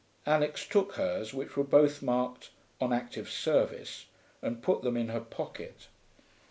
Alix took hers, which were both marked 'On Active Service,' and put them in her pocket.